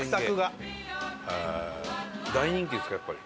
伊達：大人気ですか、やっぱり。